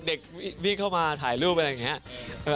เด็กที่เข้ามาถ่ายรูปอะไรอย่างนี้